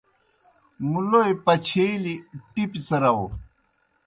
مُلوئے پَچَھیلیْ ٹِپیْ څِراؤ۔